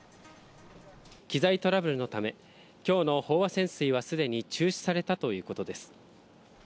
機材トラブルのため、きょうの飽和潜水はすでに中止されたということです。